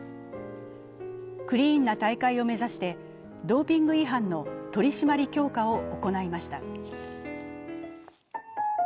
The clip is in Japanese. クリーンな大会を目指してドーピング違反の取り締まり強化を行いました。